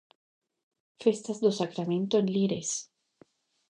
Festas do Sacramento en Lires.